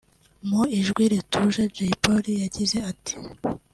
Mu ijwi rituje Jay Polly yagize ati